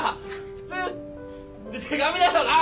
普通手紙だよな！